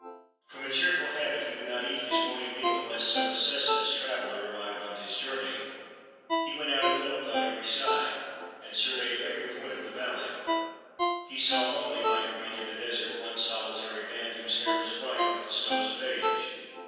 From a cheerful habit he would not eat his morning meal unless some necessitous traveler arrived on his journey. He went out and looked out on every side, and surveyed every point of the valley. He saw only, hke a reed in the desert, one solitary man, whose hair was white with the snows of age.